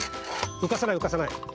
うかさないうかさない。